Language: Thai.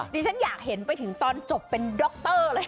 ดิฉันอยากเห็นไปถึงตอนจบเป็นดร็อกเตอร์เลย